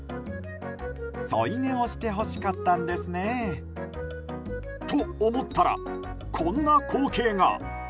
添い寝をしてほしかったんですね。と思ったら、こんな光景が。